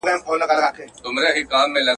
موږ باید د خپلو ملي نڅاوو ساتنه وکړو.